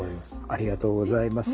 ありがとうございます。